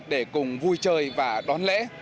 để cùng vui chơi và đón lễ